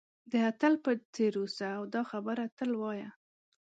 د اتل په څېر اوسه او دا خبره تل وایه.